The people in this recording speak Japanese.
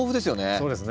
そうですね。